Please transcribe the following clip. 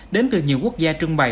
đến từ nhiều quốc gia trưng bày